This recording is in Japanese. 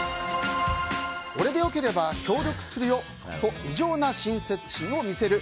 「俺でよければ協力するよ」と異常な親切心を見せる。